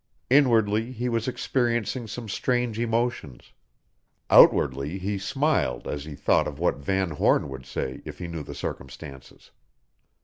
Inwardly he was experiencing some strange emotions; outwardly he smiled as he thought of what Van Horn would say if he knew the circumstances.